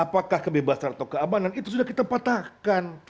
apakah kebebasan atau keamanan itu sudah kita patahkan